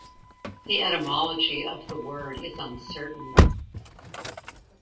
The etymology of the word is uncertain.